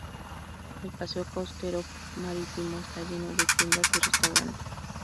El paseo costero marítimo está lleno de tiendas y restaurantes.